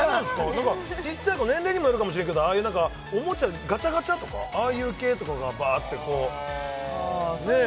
ちっちゃい子年齢にもよるかもしれんけどああいう何かおもちゃガチャガチャとかああいう系とかがバーッてこうねえ